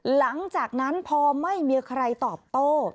หลังจากนั้นพอไม่มีใครตอบโต้